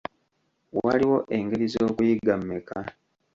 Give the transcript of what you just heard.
Waliwo engeri z'okuyiga mmeka?